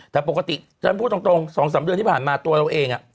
แต่ปกติฉันพูดตรง๒๓เดือนที่ผ่านมาตัวเราเอง